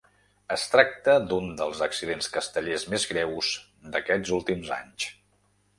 Es tracta d’un dels accidents castellers més greus d’aquests últims anys.